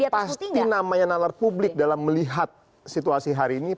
pasti namanya nalar publik dalam melihat situasi hari ini